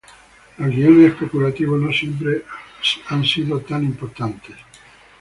Los guiones especulativos no siempre han sido tan importantes.